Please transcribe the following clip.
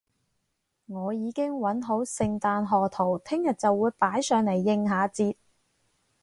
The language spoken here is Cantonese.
我已經搵好聖誕賀圖，聽日就會擺上嚟應下節